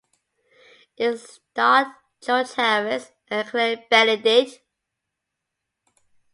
It starred George Harris and Claire Benedict.